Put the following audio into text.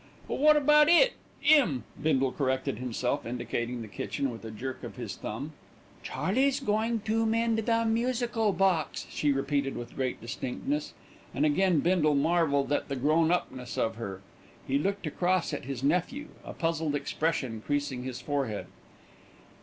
"But wot about it 'im," Bindle corrected himself, indicating the kitchen with a jerk of his thumb. "Charley's going to mend the musical box," she repeated with great distinctness. And again Bindle marvelled at the grown upness of her. He looked across at his nephew, a puzzled expression creasing his forehead.